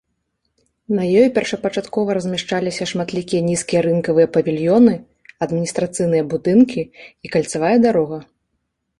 На ёй першапачаткова размяшчаліся шматлікія нізкія рынкавыя павільёны, адміністрацыйныя будынкі і кальцавая дарога.